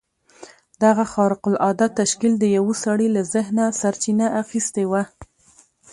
دغه خارق العاده تشکيل د يوه سړي له ذهنه سرچينه اخيستې وه.